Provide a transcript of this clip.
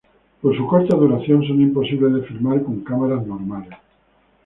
Por su corta duración son imposibles de filmar con cámaras normales.